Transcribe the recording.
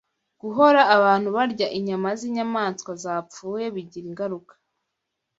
Guhora abantu barya inyama z’inyamaswa zapfuye bigira ingaruka